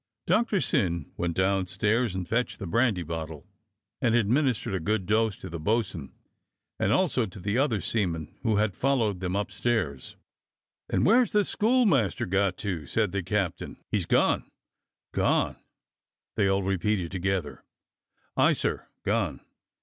Doctor Syn went downstairs and fetched the brandy bottle, and administered a good dose to the bo'sun, and also to the other seamen who had followed them up stairs. And where's the schoolmaster got to.^^'* said the captain. "He's gone." Gone.^" they all repeated together. "Aye, sir, gone!